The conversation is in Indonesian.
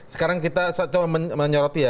sekarang kita coba menyoroti ya